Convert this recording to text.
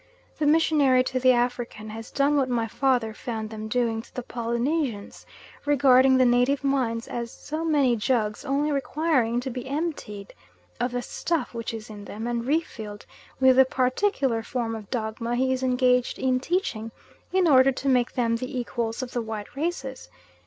The missionary to the African has done what my father found them doing to the Polynesians "regarding the native minds as so many jugs only requiring to be emptied of the stuff which is in them and refilled with the particular form of dogma he is engaged in teaching, in order to make them the equals of the white races."